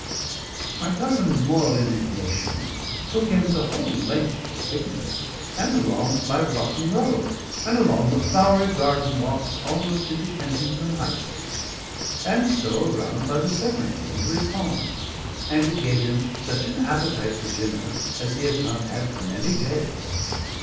My cousin's moral indignation took him the whole length of Piccadilly, and along by Rotten Row, and along the flowery garden walks almost into Kensington High Street, and so around by the Serpentine to his home, and it gave him such an appetite for dinner as he had not had for many days.